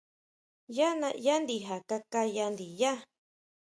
Yá naʼyá ndija kaká ya ndiyá.